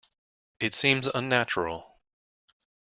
It seems unnatural!